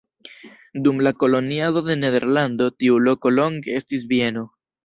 Dum la koloniado de Nederlando tiu loko longe estis bieno.